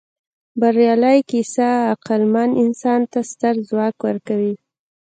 بریالۍ کیسه عقلمن انسان ته ستر ځواک ورکوي.